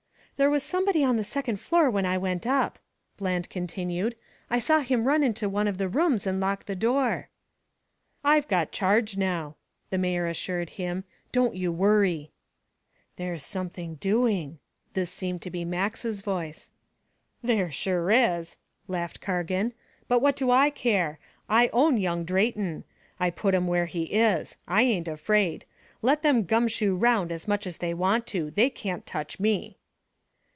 "There was somebody on the second floor when I went up," Bland continued. "I saw him run into one of the rooms and lock the door." "I've got charge now," the mayor reassured him, "don't you worry." "There's something doing." This seemed to be Max's voice. "There sure is," laughed Cargan. "But what do I care? I own young Drayton. I put him where he is. I ain't afraid. Let them gumshoe round as much as they want to. They can't touch me."